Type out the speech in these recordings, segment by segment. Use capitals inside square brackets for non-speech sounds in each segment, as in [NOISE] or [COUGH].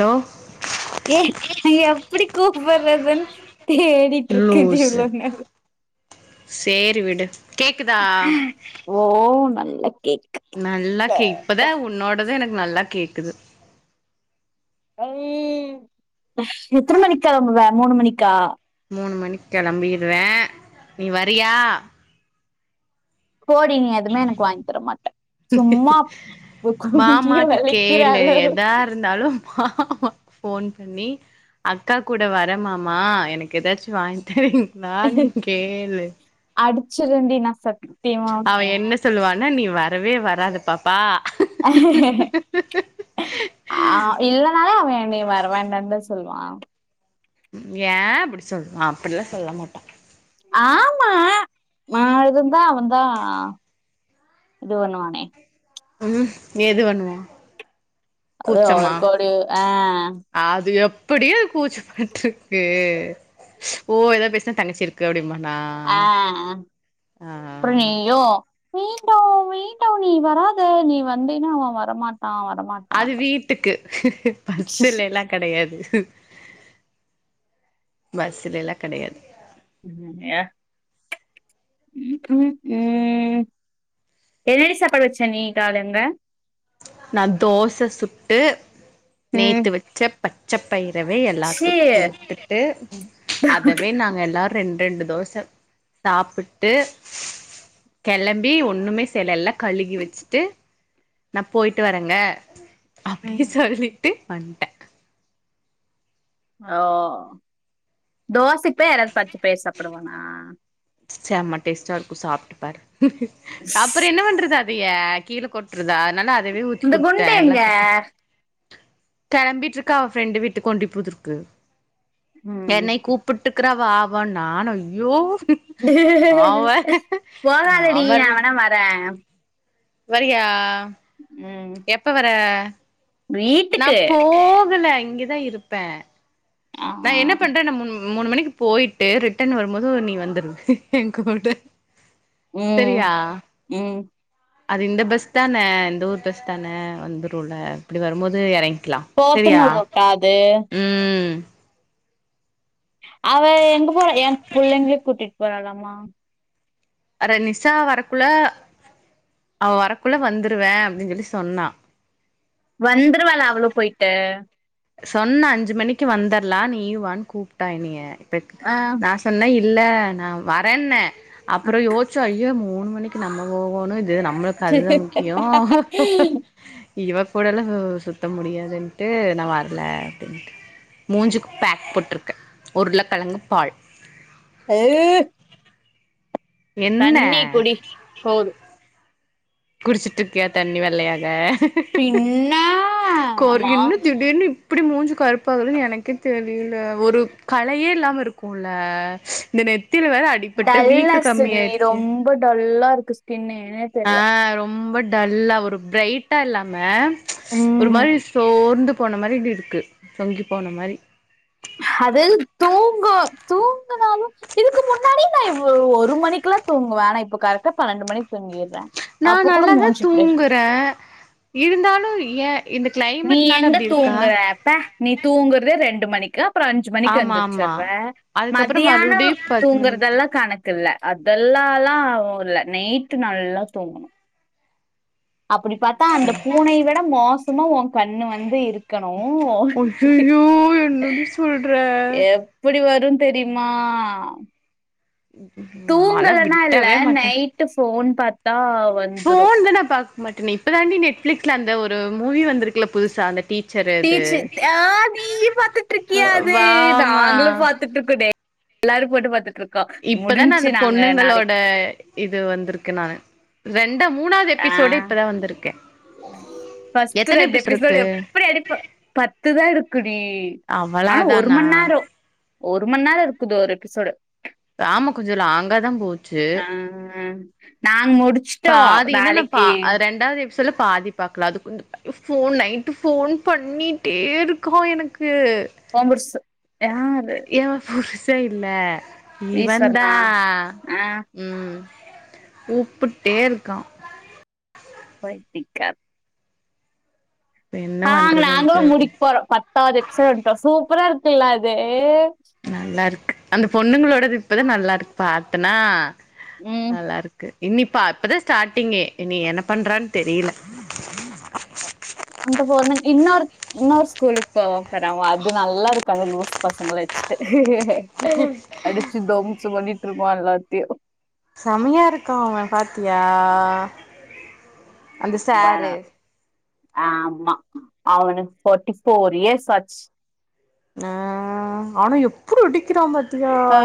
tough ஏய் நா எப்டி கூப்புட்டுறதுன்னு தேடிட்டு இருக்கேன்டி லூசு இவ்ளோ நேரோ சேரி விடு கேக்குதா ஒ ஓ நல்லா கேக் நல்லா கே இப்பதா உன்னோடது எனக்கு நல்லா கேக்குது எத்தன மணிக்கு கிளம்புவ மூணு மணிக்கா மூணு மணிக்கு கிளம்பிறுவே நீ வறியா போடி நீ எதுவுமே எனக்கு வாங்கி தரமாட்ட சும்மா குனிஞ்சி மாமாட்ட வலிக்கிற கேளு அளவு எதாருந்தாலு மாமாக் போன் பண்ணி அக்கா கூட வரே மாமா எனக்கு ஏதாச்சு வாங்கி தரீங்களான்னு கேளு அடிச்சிருவேண்டி நா சட் அவே என்ன சொல்லுவானா நீ வரவே வராத பாப்பா ஆ இல்லனாலே அவே என்னய நீ வர வேண்டானுதா சொல்லுவா ஏ அப்டி சொல்லுவான் அப்டிலா சொல்ல மாட்டான் ஆமா நா இருந்தா அவன்தா இது பண்ணுவானே ம் எது பண்ணுவா ஒ கூச்சமா அவர் கோடு ஆ அது எப்டியே அது கூச்சப்பட்டுருக்கு ஓ ஏதாவது பேசினா தங்கச்சிரு போடிமா நா ஆ ஆ வேண்டா வேண்டா நீ வராத நீ வந்தீன்னா அவன் வரமாட்டான் வரமாட்டா அது அப்டி வீட்டுக்கு பஸ்லேலா கெடையாது பஸ்லெலா கெடையாது யா ம் ம் ம் என்னடி சாப்பாடு வச்சே நீ காலேலழுந்த நா தோச சுட்டு ம் நேத்து வச்ச பச்ச பயிரவே சி எல்லாத்துக்கு குடுத்துட்டு அதவே நாங்க எல்லாரு ரெண் ரெண்டு தோச சாப்ட்டு கெளம்பி ஒன்னுமே செய்ல எல்லா கழுவி வச்சுட்டு நா போய்ட்டு வரேங்க அப்டி சொல்லிட்டு வன்ட்டே ஓ தோசைக்குப்பேய் யாராது பச்ச பயறு சாப்புடுவானா செமா டேஸ்டாருக்கு சாப்ட்டுப்பாரு அப்றோ என்ன பண்றது அதய கீழே கொட் றதா அதனால அதவே ஊத்தி இந்த குடுத்துட்டே குண்டு எங்க எல்லாரு சாப் கெளம்பிட்ருக்கே அவ ஃப்ரெண்டு வீட்டுக்கு கொண்டு புதுருக்கு ம் என்னயு கூப் புட்டுக்கிறா வா வானு நா ஐயோ நா வர் போகாதடி நா வேணா வரே வரியா ம் எப்ப வர நா வீட்டுக்கு போகல இங்கதா இருப்பே ஆ நா என்ன பண்றே நா முன் மூணு மணிக்கு போயிட்டு ரிட்டன் வரும்போது நீ வந்துரு ஏ கூட ம் சரியா ம் அது இந்த பஸ் தான இந்த ஊர் பஸ் தான வந்துருல இப்டி வரும்போது எறங்கி கிலா சரியா போத்தனூர் ரோட்டா அது ம் அவ எங்க போற என் புள்ளைகளயு கூட்டிட்டு போறாளாமா அட நிஷா வரக்குள்ள அவ வரக்குள்ள வந்துருவே அப்டின்னு சொல்லி சொன்னா வந்துருவாள அவளு போய்ட்டு சொன்னா அஞ்சு மணிக்கு வந்தர்லா நீயு வானு கூப்டா என்னிய ஆ சொன்னே இல்ல நா வரேன்னெ அப்புற யோசிச்ச ஐயோ மூணு மணிக்கு நம்ம போகோணு து நம்மளுக்கு அதுதா முக்கியோ இவ கூடல்லா சுத்த முடியாதுன்டு நா வ ரல அப்டிண்டு மூஞ்சிக்கி பேக் போட்ருக்க உருளை கெழங்கு பால் எ என்ன தண்ணி குடி போது குடிச்சிட்டு இருக்கியா தண்ணி வெள்ளையாக பின்ன கோர் ஆமா இன்னு திடிர்னு இப் இப்டி மூஞ்சு கருப்பாகுனு எனக்கே தெரியல ஒரு கலையே இல்லாம இருக்குல இந்த நெத்தில வேற அ டல்னஸ்டி ரொம்ப டல்லா இருக்கு ஸ்கின்னே ஆ ரொம்ப டல்லா ஒரு ப்ரைட்டா இல்லாம ஒரு ம் மாரி சோர்ந்து போன மாரி இருக்கு சொங்கி போன மாரி அதது தூங்கு தூங்குனாலு இதுக்கு முன்னாடி நா இ ஒரு மணிக்குல்லா தூங்குவே நா இப்ப கரெடா பன்னெண்டு மணிக்கு தூங்கிறே நா நல்லாதா தூங்குற இருந்தாலு ஏ இந்த கிளைமேட்னால அப்டி இருக்கா ப்ப நீ தூங்குறதே ரெண்டு மணிக்கு அப்பற அஞ்சு மணிக்கு ஆமா ஆமா எந்துருச்சர்ற அதுக்கப்புறோ மதியான மறுபடியு பத்து மணிக்கு தூங்குறதெல்லா கணக் குல்ல அதா ல லா இல்ல நைட்டு நல்லா தூங்கனு அப்டி பாத்தா அந்த பூனைய விட மோசமா ஒ கண்ணு வந்து இருக் க்கணு அய்யய்யோ என்னடி சொல்ற எப் இப்டி வருன் தெரிமா ம் தூங்கலனா இல்ல நைட்டு ஃபோன் பாத்தா வந் ஃபோன் தா நா பாக்க மாட்டனே இப்ப தாண்டி நெட்பிலிகஸ்ல அந்த ஒரு மூவி வந்திருக்குல புதுசா அந்த டீச்சர் அது டீச்சர் ஆ நீ பாத்துட்டு இருக்கியா அது வாமா நாங்களு பாத் துட்டு இருக் எல்லாரு போட்டு பாத்துட் இருக் இப்பதான அந்த பொண்ணுங்களோட இது வந்திருக்குனா ரெண்ட மூணாவது ஆ எபிசோடே இப்பதா வந்திருக்கு ஃபஸ்ட் ரெண்டு எபிசோடு எப்டி அடிப்ப பத்துதா இருக்குடி ஆனா ஒரு அவ்வளதானா மணி நேரோ ஒரு மணி நேரோ இருக்குது ஒரு எபிசோடு ஆமா கொஞ்ச லாங்க தா போச்சு நாங் முடிச்சு பாதி என்ன நா பா ரெண்டாவதுஎபிசோ ட்ல பாதி பாக்கல அது கொஞ்ச ஃபோன் நைட்டு ஃபோன் பண்ணிட்டே இருக்கா எனக்கு கோமர்ஸ் யாரு ஏ புருச இல்ல இவந்தா ஈஸ்வரனா ஆ ம் கூப்புட்டே இருக்கா பன்னிக்கப் என்ன நாங்கள நாங்களு பண்றதுன்ட்டு குடிக் போறோ பத்தாவது எக்ஸட்டோ வந்துட்டோ சூப்பரா இருக்குல்ல அது நல்லா இருக்கு அந்த பொண்ணுங்களோட இப்பதா நல்லா இருக்கு பாத்தனா ம் நல்லா இருக் இன்னிப்பா அப்பதா ஸ்டார்ட்டிங்கே நீ என்ன பண்றான் தெரியல அந்த போனு இன்னொரு இன்னொரு ஸ்கூலுக் க ர அது நல்லா இருக்க அது லூஸ் பசங்களை வச்சுட்டு அடிச்சு தோம்சோ பண்ணிட்டு இருபோ எல்லாத்தியு செமையா இருக்கா அவே பாத்தியா அந்த வே சாரு ஆமா அவனுக்கு ப்பாட்டி போர் இயர்ஸ் ஆச்சு ஆ ஆனா எப்டி அடிக்கிறா பா ஆ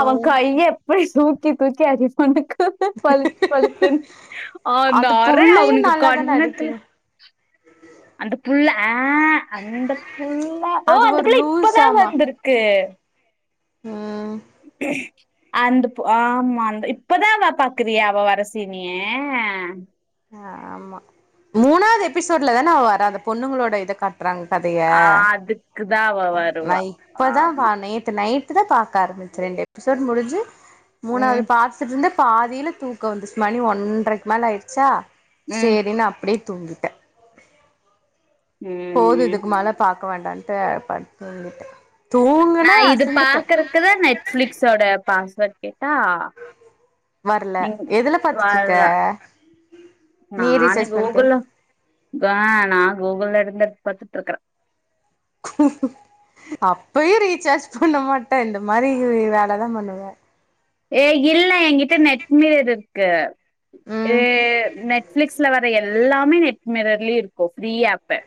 அவ கையை எப்டி தூக்கி தூக்கி அடிக்கொண்டு பழிச் பழிச்சுன் அந்த அறைய புள்ளையு அவனுக்கு நல்லாதான கண்ணத்துல அடிக்குது அந்த புள்ள ஆ அந்த புல்ல தோ அது அந்த ஒரு புள்ள இப்பதா லூஸாமா வந்த்ருக்கு ம் [INAUDIBLE] அந்த பொ ஆமா அந்த இப்பதா அவ பாக்குறியா அவ வரசீனி ஆமா மூணாவது எபிசோட்ல தான வரா அந்த பொண்ணுங்களோட இத காட்டுறாங்க கதைய அதுக்குதாவ நா இப்பதா வா நேத்து நைட் நேத்து தா பாக்க ஆரம்பிச்சே ரெண்டு எபிசோடு முடிஞ்சு மூணாவது ம் பாத் துட்டு இருந்தே பாதியில தூக்கோ வந்துருச்சு மணி ஒன்றரைக்கு மேல ஆயிடுச்சா ம் சேரினு அப்டி தூங்கிட்டே போது ம் இதுக்கு மேல பாக்க வேண்டான்ட்டு பட்த் தூங்கிட்டே தூங்குன்னா அசந்துட்டே [UNINTELLIGIBLE] நெட்ஃப்லிக்ஸோட பாஸ்வேர்ட் கேட்டா வரல நீங் எதுல பாத்துட்டுருக்க வர்ற நானு கூகுள்ல அ நா கூகுள்ல இருந்தே பாத்துட்டு இருக்கறே அப்பயும ரீசார்ஜ் பண்ண மாட்டே இந்த மாரி வேலதா பண்ணுவே ஏய் இல்ல என்கிட்ட நெட் மீர் இருக்கு ம் நெட்ஃளிக்ஸ்ல வர எல்லாமே நெட் மிரர்லயு இருக்கு ஃப்ரீ ஆப் ப்பு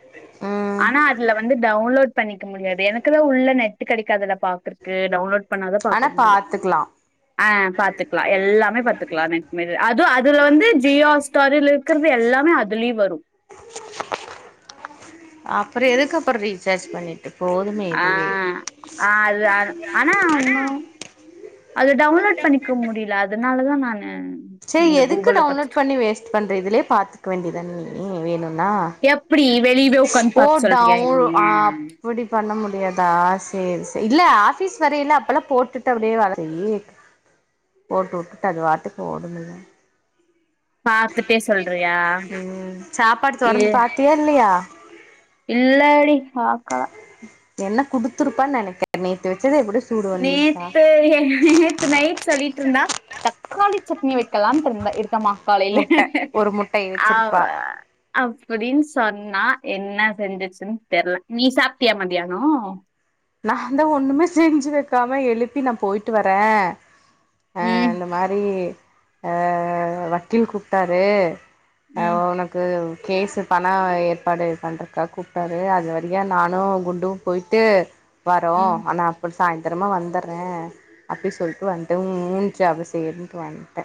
ம் ஆனா அதுல வந்து டவுன்லோட் பண்ணிக்க முடியாது எனக்குதா உள்ள நெட் கெடைக்காததுல பாக்குருக்கு டவுன்லோட் பண்ணாத பாக்க ஆனா முடியு பாத்துக்கலா ஆ பாத்துக்கலா எல்லாமே பாத்துக்கலா நெட்மிரரு அதுவு அதுல வந்து ஜியோ ஹாட்ஸ்டாரு இருக்கிறது எல்லாமே அதுலயு வரு அப்பரோ எதுக்கப்புரோ ரீசார்ஜ் பண்ணிட் போதுமே ஆ இதுவே ஆ அது ஆனா ஆனா உன்னு அது டவுன்லோட் பண்ணிக்க முடில அதனாலதா நானு சேரி இந்த எதுக்கு கூகுள்ல டவுன்லோட் பாத்துட்டு பண்ணி வேஸ்ட் பண்ற இதுலயே பாத்துக்க வேண்டியதான நீயி வேணுன்னா எப்டி வெ ஓ டவ் ஆ அப்டி பண்ண முடியாதா செரி செரி இல்ல ஆபிஸ் வரையில அப்பல்லா போட்டுட்டு அப்டியே வேல செய்யி போட்டு வுட்டுட்டு அதுவாட்டுக்கு ஓடும்மில்ல பாத்துட்டே சொல்றியா ம் சாப்பாடு இ துறந்து பாத்தியா இல்லையா இல்லடி பாக்கல என்ன குடுத்துருப்பான்னு நெனைக்றே நீ நேத்து வச்சது எப்டி நேத்து நேத்து நைட் சொல்லிட்டு இருந்தா தக்காளி சட்னி வைக்கலாம்ன்ட்டு இருந்தே இருக்கமா காலையில முட்ட ஒரு முட்டைய வச்சிருப்பா ஆவே அப்டின்னு சொன்னா என்ன செஞ்சிச்சுனு தெர்ல நீ சாப்ட்டியா மதியானோ நா தா ஒண்ணுமே செஞ்சு வக்காம எழுப்பி நா போயிட்டு வரே அ ம் இந்த மாரி அ வக்கீல் கூப்ட்டாரு அ ம் உனக் கு கேஸு பணோ ஏற்பாடு பண்றக்கா கூப்டாரு அது வரைய நானு குண்டு போய்ட்டு வரோ ம் ஆனா சாய்ந்திரமா வந்துர்றே அப்டி சொல்ட்டு வந்ட்டே உ மூஞ்ச்சு அது செய்யுன்ட்டு வந்ட்டே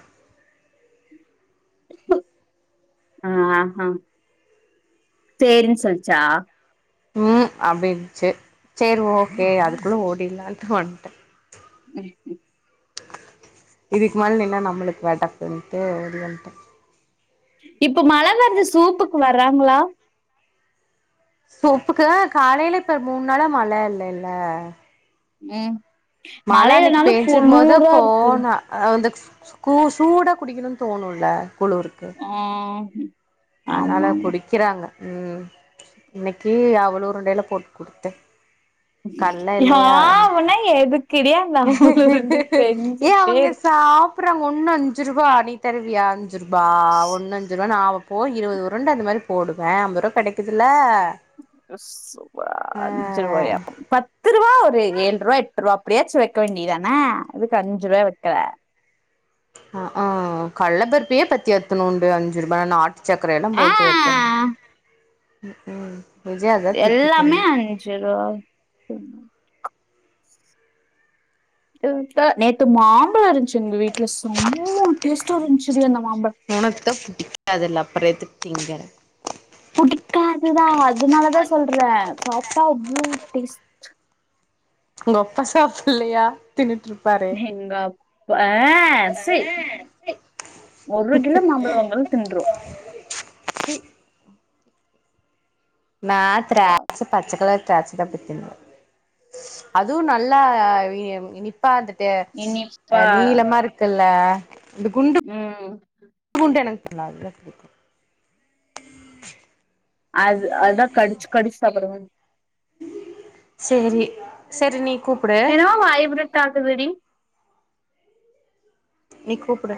ஆஹா செரின் சொல்லிச்சா ம் அப்டினுச்சு சரி ஓகே அதுக்குள்ள ஓடிர்லான்ட்டு வந்ட்டே ம் ம் இதுக்கு மேல நின்னா நம்ளுக்கு வேண்டா டக்குன்டு ஓடி வந்ட்டே இப்ப மழ வருது சூப்புக்கு வர்றாங்களா சூப்புக்குதா காலைல இப்ப மூன் நாளா மழ இல்லல்ல ம் மழ மழையிலனாலு குளுரா இருக்கு அ வந்து க் ஸ் கூ சூடா குடிக்கணுன் தோணுல்ல குளுருக்கு அ அதனால குடிக்கிறாங்க ம் இன்னைக்கு அவ்ளோ உருண்டையில போட் குடுத்தே கல்ல ஆ இல்லையா அதனா ஊ னா எதுக் ஏ அவுங்க இருக்கு சாப் றாங்க ஒன்னு அஞ்சு ரூவா நீ தருவியா அஞ்சு ரூபா ஒன்னு அஞ்சு ரூபா நா வப் போ இருவது உருண்ட அந்த மாரி போடுவே ஐம்ப ரூவா கெடைக்குதில்ல ஏ சூப அஞ்சு ரூவாயா பத்து ரூவா ஒரு ஏழ் ரூவா எட் ரூவா எப்டியாச்சு வைக்க வேண்டியதான எதுக்கு அஞ்சுரூவா வைக்குற ஆ ஆ கள்ள பர்பியே பத்தி எத்துனூண்டு அஞ்சு ரூபானா சக்கர எல்லா ஆ போடாடு வைக்குறே ம்ஹூ விஜயா அதா திட்டுது எல்லாமே அஞ்சு ரூவா தெர்ல நேத்து மாம்பழோ இருந்த்ச்சு எங்க வீட்ல செம்ம டேஸ்ட்டா இருந்த்ச்சுடி அந்த மாம்பழோ உனக்கு தா புடிக்காதுல அப்புறோ எதுக்கு திங்கற புடிக்காதுதா அதனாலதா சொல்றே சாப்ட்டா அவ்வளவு டேஸ் உங்க அப்பா சாப்பிடல்யா தின்னுட்ரு எங்கப் அ சி ஒரு கிலோ மாம்பழோ வாங்னாலு தின்ரு நா திராட்ச பச்ச கலர் த்ராட்ச தா ப திம்பே அதுவு நல்லா எ இனிப் பா வந்துட்டு அ இனிப்பா நீளமா இருக்குல்ல இந்த குண்டு ம் குண்டு எனக் பண்ணாது அதா பிடிக்கு அது அதா கடிச்சு கடிச்சு சாப்பிடனு செரி செரி நீ கூப்பிடு தாக்குதிடி நீ கூப்டு